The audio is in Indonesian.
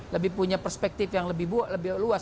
lebih punya perspektif yang lebih luas